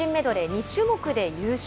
２種目で優勝。